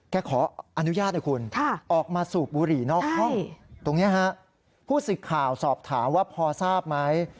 ขออนุญาตนะคุณออกมาสูบบุหรี่นอกห้องตรงนี้ฮะผู้สิทธิ์ข่าวสอบถามว่าพอทราบไหม